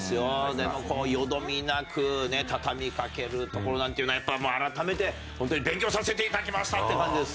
でもこうよどみなく畳み掛けるところなんていうのはやっぱりもう改めて本当に「勉強させて頂きました」っていう感じです。